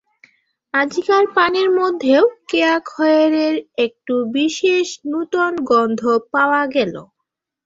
আজিকার পানের মধ্যেও কেয়া খয়েরের একটু বিশেষ নূতন গন্ধ পাওয়া গেল।